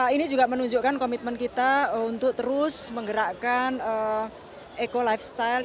ini juga menunjukkan komitmen kita untuk terus menggerakkan ekolifestyle